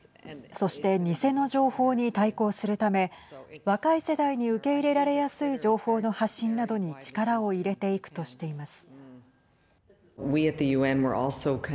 そして偽の情報に対抗するため若い世代に受け入れられやすい情報の発信などに力を入れていくとしています。